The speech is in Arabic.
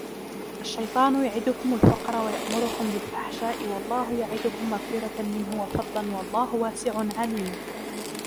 الشيطان يعدكم الفقر ويأمركم بالفحشاء والله يعدكم مغفرة منه وفضلا والله واسع عليم